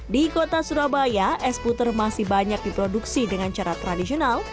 di kota surabaya es puter masih banyak diproduksi dengan cara tradisional